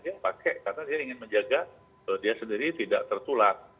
dia pakai karena dia ingin menjaga dia sendiri tidak tertular